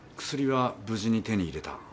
薬は無事に手に入れた。